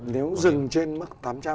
nếu dừng trên mức tám trăm linh